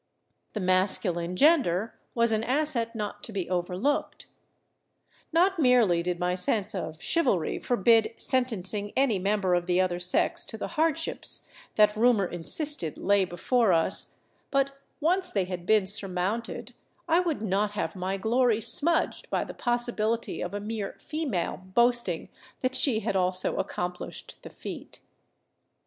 The masculine gender was an asset not to be overlooked. Not merely did my sense of chiv alry forbid sentencing any member of the other sex to the hardships that rumor insisted lay before us, but once they had been surmounted, I would not have my glory smudged by the possibility of a mere female boasting that she had also accomplished the feat.